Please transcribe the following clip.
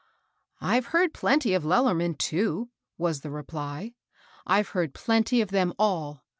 " I've heard plenty of Lellerman, too," was the reply. " I've heard plenty of them all.